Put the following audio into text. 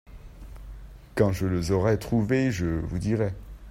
Quand je les aurai trouvés je vous dirai.